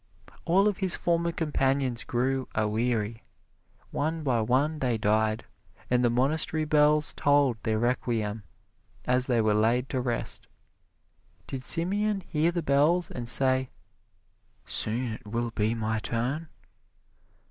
All of his former companions grew a weary; one by one they died, and the monastery bells tolled their requiem as they were laid to rest. Did Simeon hear the bells and say, "Soon it will be my turn"?